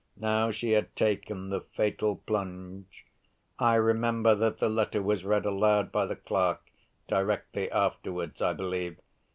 Now she had taken the fatal plunge. I remember that the letter was read aloud by the clerk, directly afterwards, I believe.